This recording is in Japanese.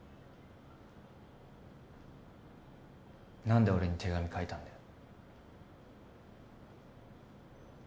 何で俺に手紙書いたんだよ